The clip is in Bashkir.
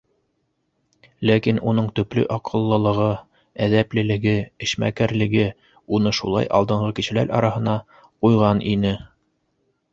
Ләкин уның төплө аҡыллылығы, әҙәплелеге, эшмәкәрлеге уны шулай алдынғы кешеләр араһына ҡуйған ине.